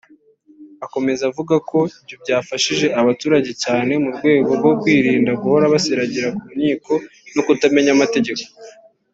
Akomeza avuga ko ibyo byafashije abaturage cyane mu rwego rwo kwirinda guhora basiragira ku nkiko no kutamenya amategeko